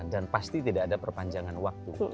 dan pasti tidak ada perpanjangan waktu